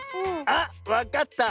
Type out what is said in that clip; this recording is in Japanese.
あっわかった。